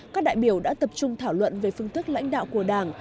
các đại biểu đã tập trung thảo luận về phương thức lãnh đạo của đảng